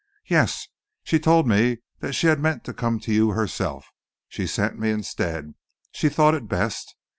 "Yes! She told me that she had meant to come to you herself. She sent me instead. She thought it best.